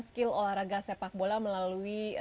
skill olahraga sepak bola melalui